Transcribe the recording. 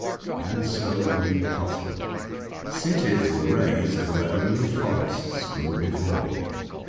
And so we prospered. Cities were raised where only forests grew before.